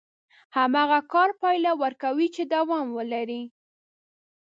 هماغه کار پايله ورکوي چې دوام ولري.